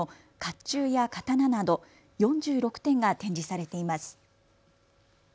っちゅうや刀など４６点が展示されています。